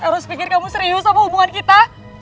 harus pikir kamu serius sama hubungan kita